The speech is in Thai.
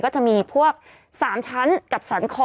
จะมีพวก๓ชั้นกับสันคอ